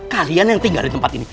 kalian yang tinggal di tempat ini